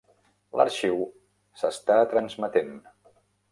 L'arxiu s'està transmetent.